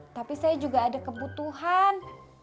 tapi saya juga ada kebutuhan